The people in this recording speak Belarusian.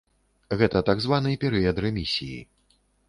Гэта так званы перыяд рэмісіі.